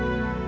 aku mau pergi